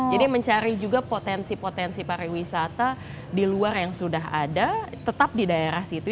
jadi mencari juga potensi potensi para wisata di luar yang sudah ada tetap di daerah situ